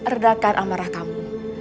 redakan amarah kamu